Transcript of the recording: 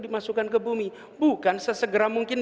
dimasukkan ke bumi bukan sesegera mungkin